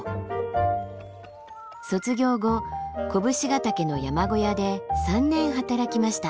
卒業後甲武信ヶ岳の山小屋で３年働きました。